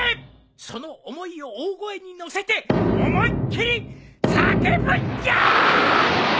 その思いを大声に乗せて思いっ切り叫ぶんじゃ！